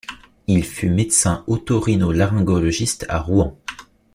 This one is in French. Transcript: Il fut médecin oto-rhino-laryngologiste à Rouen.